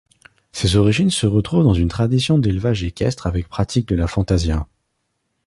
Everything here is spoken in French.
Ces origines se retrouvent dans une tradition d'élevage équestre avec pratique de la fantasia.